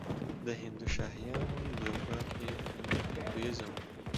د هندوشاهیانو دوره کې هندویزم و